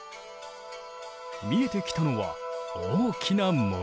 見えてきたのは大きな森。